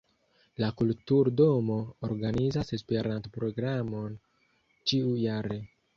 La kulturdomo organizas Esperanto-programon ĉiu-jare.